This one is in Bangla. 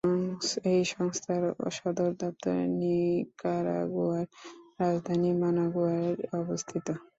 এই সংস্থার সদর দপ্তর নিকারাগুয়ার রাজধানী মানাগুয়ায় অবস্থিত।